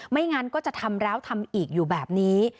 งั้นก็จะทำแล้วทำอีกอยู่แบบนี้